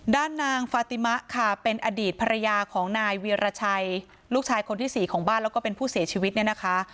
ด้านนางฟาติมะค่ะเป็นอดีตภรรยาของนายเวียรชัยลูกชายคนที่สี่ของบ้านแล้วก็เป็นผู้เสียชีวิตเนี่ยนะคะ